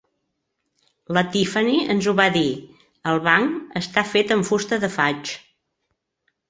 La Tiffany ens ho va dir, el banc està fet amb fusta de faig.